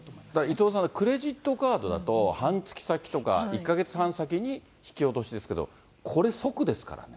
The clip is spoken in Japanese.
伊藤さん、クレジットカードだと、半月先とか１か月半先に引き落としですけど、これ、即ですからね。